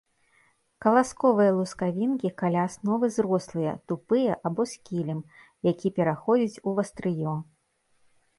Каласковыя лускавінкі каля асновы зрослыя, тупыя або з кілем, які пераходзіць у вастрыё.